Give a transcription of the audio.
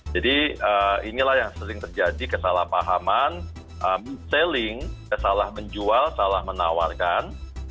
jadi inilah yang sering terjadi kesalahpahaman selling salah menjual salah menawarkan